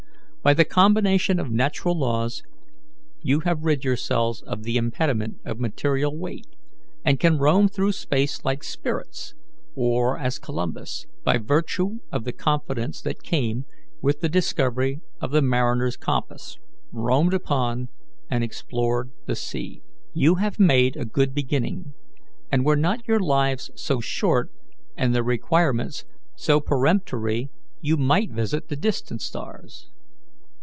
By the combination of natural laws you have rid yourselves of the impediment of material weight, and can roam through space like spirits, or as Columbus, by virtue of the confidence that came with the discovery of the mariner's compass, roamed upon and explored the sea. You have made a good beginning, and were not your lives so short, and their requirements so peremptory, you might visit the distant stars.